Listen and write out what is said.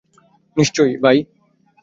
নিশ্চয়, বাই।